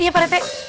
iya pak rete